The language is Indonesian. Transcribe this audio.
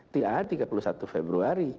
tidak ada tiga puluh satu februari